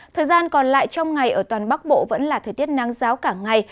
thời gian còn lại trong ngày ở toàn bắc bộ vẫn là thời tiết nắng giáo cả ngày